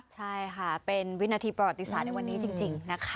ใช่ค่ะเป็นวินาทีประวัติศาสตร์ในวันนี้จริงนะคะ